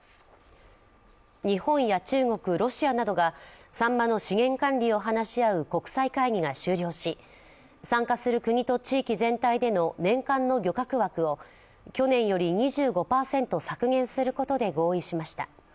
日本や中国、ロシアなどがサンマの資源管理を話し合う国際会議が終了し参加する国と地域での年間の漁獲高を去年より２５％削減することで合意しました。